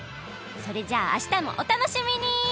それじゃああしたもお楽しみに！